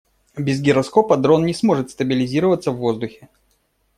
Без гироскопа дрон не сможет стабилизироваться в воздухе.